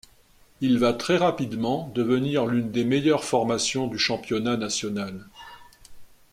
Il va très rapidement devenir l'une des meilleures formations du championnat national.